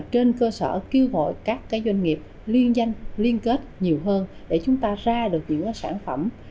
trên cơ sở kêu gọi các doanh nghiệp liên danh liên kết nhiều hơn để chúng ta ra được những sản phẩm